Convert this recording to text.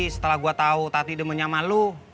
setelah gue tau tati demennya sama lu